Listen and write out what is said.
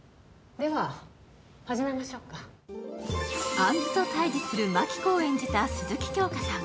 杏子と対峙する真希子を演じた鈴木京香さん。